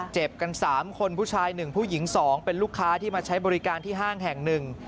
เจ็บกัน๓คนผู้ชาย๑ผู้หญิง๒เป็นลูกค้าที่มาใช้บริการที่ห้างแห่งหนึ่ง